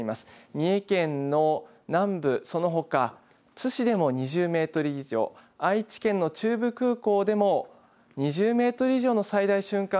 三重県の南部、そのほか津市でも２０メートル以上愛知県の中部空港でも２０メートル以上の最大瞬間